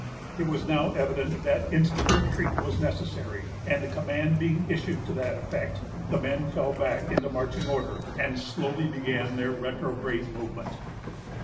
It was now evident that instant retreat was necessary; and the command being issued to that effect, the men fell back into marching order, and slowly began their retrograde movement.